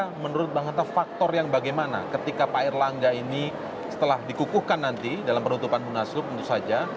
nah menurut bang hanta faktor yang bagaimana ketika pak erlangga ini setelah dikukuhkan nanti dalam penutupan munaslup tentu saja